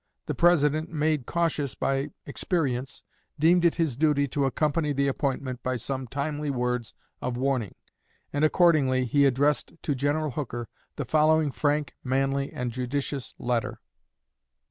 The President, made cautious by experience, deemed it his duty to accompany the appointment by some timely words of warning; and accordingly he addressed to General Hooker the following frank, manly, and judicious letter.